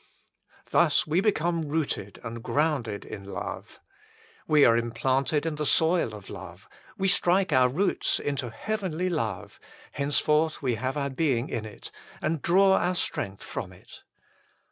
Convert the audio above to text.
Thus we become rooted and grounded in love. We are implanted in the soil of love : we strike our roots into heavenly love ; henceforth we have our being in it and draw our strength from it.